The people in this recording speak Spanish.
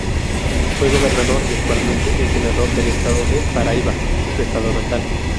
Fue gobernador, y actualmente es senador, del estado de Paraíba, su estado natal.